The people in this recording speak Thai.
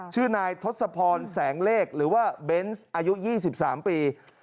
ชื่อนายทศพรแสงเลขหรือว่าเบนส์อายุ๒๓ปี